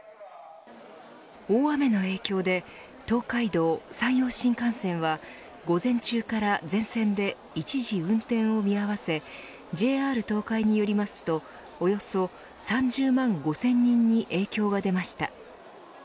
大雨の影響で東海道・山陽新幹線は午前中から全線で一時運転を見合わせＪＲ東海によりますとおよそ３０万５０００人に影響が出ました。